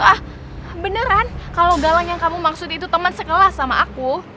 ah beneran kalau galang yang kamu maksud itu teman sekelas sama aku